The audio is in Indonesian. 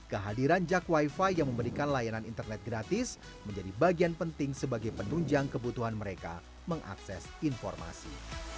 kehadiran jak wifi yang memberikan layanan internet gratis menjadi bagian penting sebagai penunjang kebutuhan mereka mengakses informasi